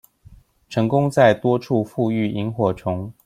成功在多處復育螢火蟲